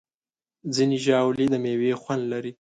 ځینې ژاولې د میوې خوند لري.